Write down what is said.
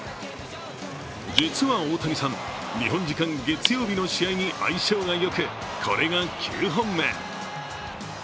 実は大谷さん、日本時間月曜日の試合に相性がよくこれが９本目。